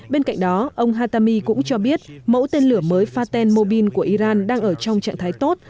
bên cạnh đó ông hatami cũng cho biết mẫu tên lửa mới faten mobil của iran đang ở trong trạng thái tốt